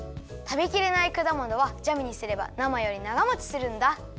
たべきれないくだものはジャムにすればなまよりながもちするんだ！